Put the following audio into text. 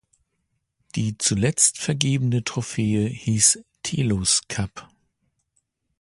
Die zuletzt vergebene Trophäe hieß Telus Cup.